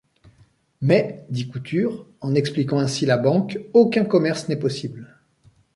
Mais, dit Couture, en expliquant ainsi la Banque, aucun commerce n’est possible.